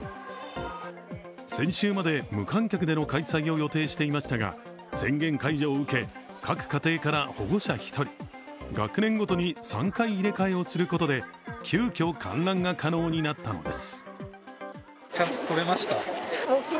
先週まで無観客での開催を予定していましたが宣言解除を受け、各家庭から保護者１人、学年ごとに３回入れ替えをすることで急きょ、観覧が可能になったのです。